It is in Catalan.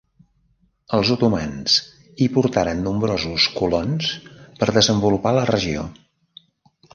Els otomans hi portaren nombrosos colons per desenvolupar la regió.